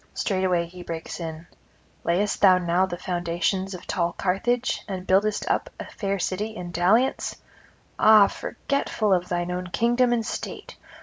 Straightway [265 299]he breaks in: 'Layest thou now the foundations of tall Carthage, and buildest up a fair city in dalliance? ah, forgetful of thine own kingdom and state!